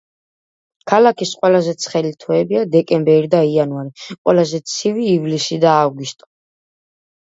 ქალაქის ყველაზე ცხელი თვეებია დეკემბერი და იანვარი, ყველაზე ცივი ივლისი და აგვისტო.